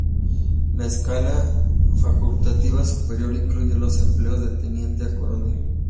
La escala facultativa superior incluye los empleos de Teniente a Coronel.